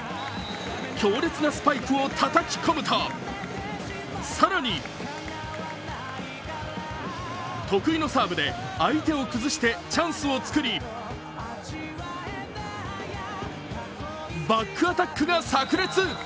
強烈なスパイクをたたき込むと、更に得意のサーブで相手を崩してチャンスをつくり、バックアタックがさく裂。